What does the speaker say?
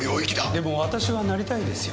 でも私はなりたいんですよ